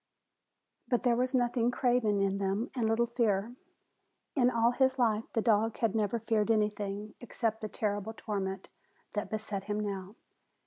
But there was nothing craven in them and little fear. In all his life the dog had never feared anything except the terrible torment that beset him now.